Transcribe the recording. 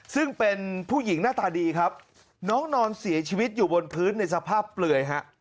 ซึ่งเป็นผู้หญิงหน้าตาดีครับน้องนอนเสียชีวิตอยู่บนพื้นในสภาพเปลือยฮะ